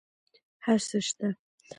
هر څه شته